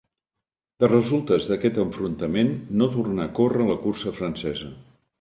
De resultes d'aquest enfrontament no tornà a córrer la cursa francesa.